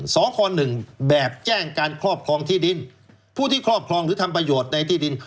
สค๑แบบแจ้งการครอบครองที่ดินผู้ที่ครอบครองหรือทำประโยชน์ในที่ดิน